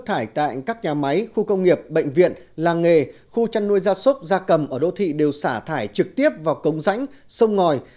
mà phát triển được các nhà máy khu công nghiệp bệnh viện làng nghề khu chăn nuôi gia súc gia cầm ở đô thị đều xả thải trực tiếp vào công rãnh sông ngòi